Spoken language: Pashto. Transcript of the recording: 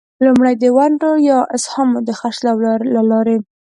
لومړی: د ونډو یا اسهامو د خرڅلاو له لارې.